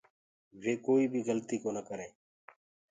وي ڪآ بي گلتيٚ ڪونآ ڪرينٚ